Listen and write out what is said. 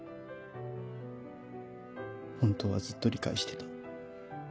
本当はずっと理解してた。